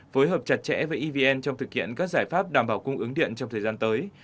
phối hợp chặt chẽ với evn trong thực hiện các giải pháp đảm bảo cung ứng điện trong thời gian tới